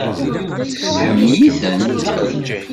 Tḥemmel-itent?